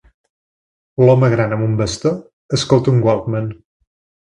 L'home gran amb un bastó escolta un walkman.